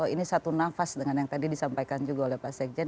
ini satu nafas dengan yang tadi disampaikan juga oleh pak sekjen